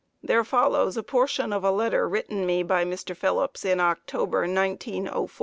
There follows a portion of a letter written me by Mr. Phillips in October, 1904. W.